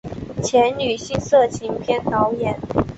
前女性色情片演员。